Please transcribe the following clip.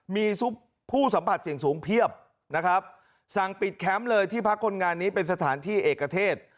มีซุปผู้สัมผัสเสี่ยงสูงเพียบนะครับสั่งปิดแคมป์เลยที่พักคนงานนี้เป็นสถานที่เอกเทศ